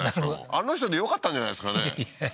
もうあの人でよかったんじゃないですかね